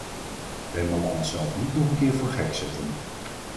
Wij mogen onszelf niet nog een keer voor gek zetten.